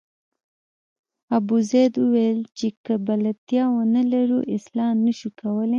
ابوزید وویل چې که بلدتیا ونه لرو اصلاح نه شو کولای.